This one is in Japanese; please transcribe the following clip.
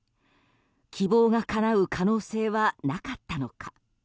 希望がかなう可能性はなかったのか。